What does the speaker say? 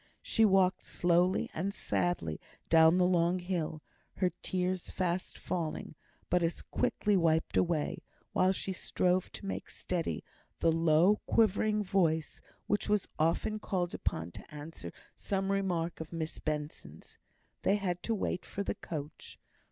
She walked slowly and sadly down the long hill, her tears fast falling, but as quickly wiped away; while she strove to make steady the low quivering voice which was often called upon to answer some remark of Miss Benson's. They had to wait for the coach.